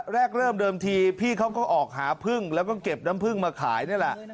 เริ่มเดิมทีพี่เขาก็ออกหาพึ่งแล้วก็เก็บน้ำพึ่งมาขายนี่แหละ